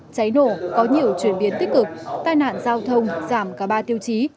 cháy nổ có nhiều chuyển biến tích cực tai nạn giao thông giảm cả ba tiêu chí